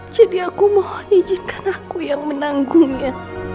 jadi aku mohon izinkan aku yang menanggungnya